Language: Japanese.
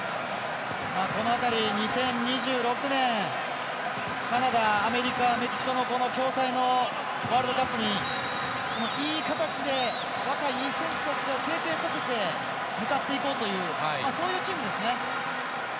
この辺り２０２６年カナダ、アメリカ、メキシコの共催のワールドカップにいい形で若いいい選手たちが提携させて向かっていこうというそういうチームですね。